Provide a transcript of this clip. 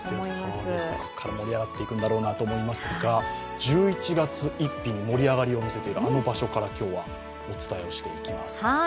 ここから盛り上がっていくんだろうなと思いますが、１１月１日に盛り上がりを見せているあの場所から今日はお伝えしていきます。